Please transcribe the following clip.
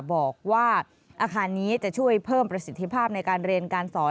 บอกว่าอาคารนี้จะช่วยเพิ่มประสิทธิภาพในการเรียนการสอน